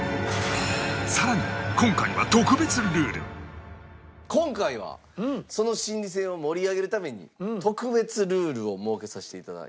さらに今回は今回はその心理戦を盛り上げるために特別ルールを設けさせて頂きました。